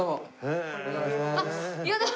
あっやだ！